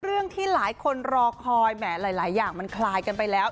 เรื่องที่หลายคนรอคอยแหมหลายอย่างมันคลายกันไปแล้ว